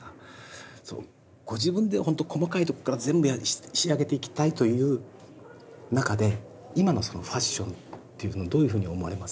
ご自分で本当細かいとこから全部仕上げていきたいという中で今のそのファッションっていうのをどういうふうに思われます？